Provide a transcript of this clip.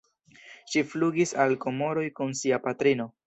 Ŝi flugis al Komoroj kun sia patrino.